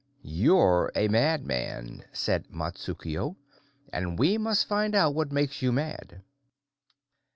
"You're a madman," said Matsukuo. "And we must find out what makes you mad."